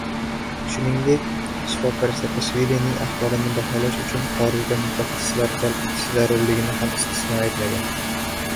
Shuningdek, shifokor Saakashvilining ahvolini baholash uchun xorijdan mutaxassislar jalb etish zarurligini ham istisno etmagan